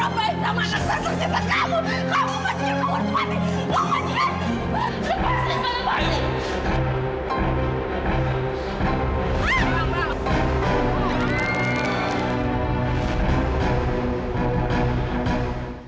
lepaskan saya dari sini